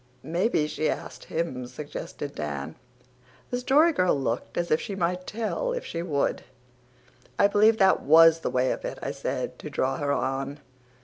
"Maybe she asked him," suggested Dan. The Story Girl looked as if she might tell if she would. "I believe that WAS the way of it," I said, to draw her on.